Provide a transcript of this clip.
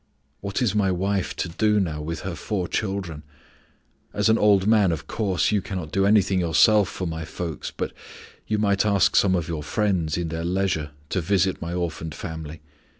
What is my wife to do now with her four children? As an old man, of course, you cannot do anything yourself for my folks, but you might ask some of your friends in their leisure to visit my orphaned family.